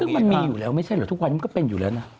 ซึ่งมันมีอยู่แล้วไม่ใช่เหรอทุกวันนี้ก็เป็นอยู่แล้วนะ